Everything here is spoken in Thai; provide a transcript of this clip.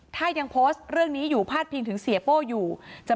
ถ้ายังโพสต์เรื่องนี้อยู่พาดพิงถึงเสียโป้อยู่